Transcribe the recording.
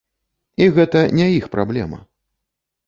І гэта не іх праблема!